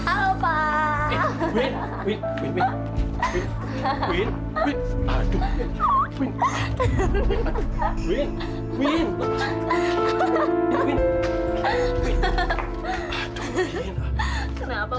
apa takut ya sama istri